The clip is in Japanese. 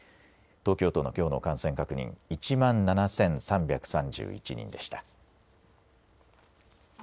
東京都のきょうの感染確認、１万７３３１人でした。